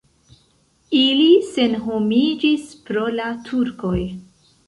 Ili senhomiĝis pro la turkoj.